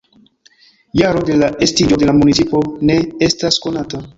Jaro de la estiĝo de la municipo ne estas konata.